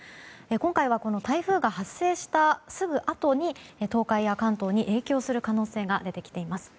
今回は台風が発生したすぐあとに東海や関東に影響する可能性が出てきています。